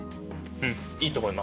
うん、いいと思います。